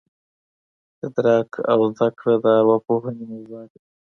ادراک او زده کړه د ارواپوهني موضوعات دي.